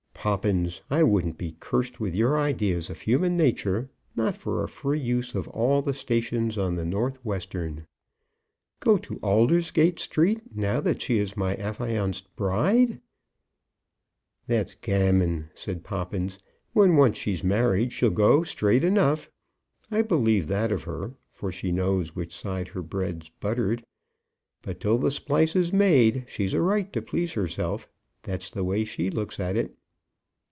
"Poppins, I wouldn't be cursed with your ideas of human nature, not for a free use of all the stations on the North Western. Go to Aldersgate Street now that she is my affianced bride!" "That's gammon," said Poppins. "When once she's married she'll go straight enough. I believe that of her, for she knows which side her bread's buttered. But till the splice is made she's a right to please herself; that's the way she looks at it."